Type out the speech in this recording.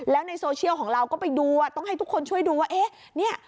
แล้วในโซเชียลของเราก็ไปดูต้องให้ทุกคนช่วยดูว่าเอ๊ะเนี่ย